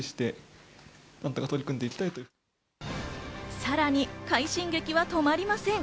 さらに快進撃は止まりません。